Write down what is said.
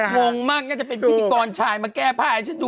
งงมากน่าจะเป็นพิธีกรชายมาแก้ผ้าให้ฉันดู